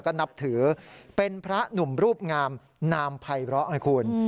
แล้วก็นับถือเป็นพระหนุ่มรูปงามนามภัยเบราะไงคุณ